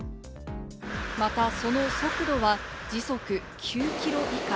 また、その速度は時速９キロ以下。